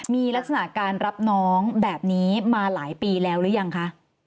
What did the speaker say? มีลักษณะการรับน้องแบบนี้มาหลายปีแล้วหรือยังคะ